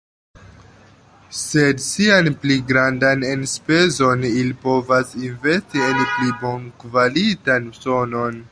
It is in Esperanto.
Sed sian pli grandan enspezon ili povas investi en pli bonkvalitan sonon.